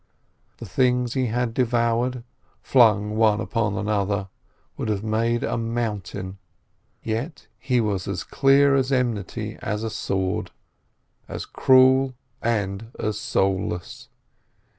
The things he had devoured, flung one upon another, would have made a mountain; yet he was as clear of enmity as a sword, as cruel, and as soulless.